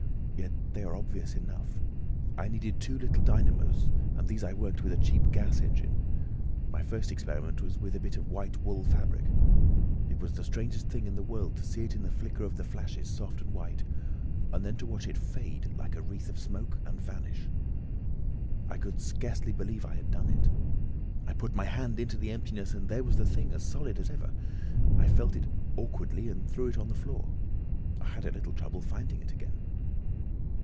Yet they are obvious enough. I needed two little dynamos, and these I worked with a cheap gas engine. My first experiment was with a bit of white wool fabric. It was the strangest thing in the world to see it in the flicker of the flashes soft and white, and then to watch it fade like a wreath of smoke and vanish. "I could scarcely believe I had done it. I put my hand into the emptiness, and there was the thing as solid as ever. I felt it awkwardly, and threw it on the floor. I had a little trouble finding it again.